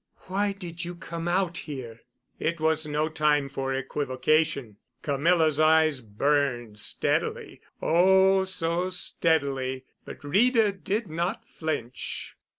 "Why did you come out here?" It was no time for equivocation. Camilla's eyes burned steadily, oh, so steadily. But Rita did not flinch.